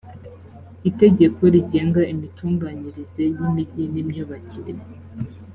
itegeko rigenga imitunganyirize y imijyi n imyubakire